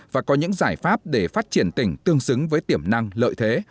và có những giải pháp để phát triển tỉnh tương xứng với tiểm năng lợi thế